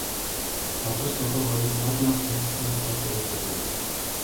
Бадарч Долгор хоёр наадмаар танилцсанаас хойш уулзаагүй.